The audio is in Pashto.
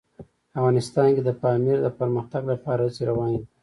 افغانستان کې د پامیر د پرمختګ لپاره هڅې روانې دي.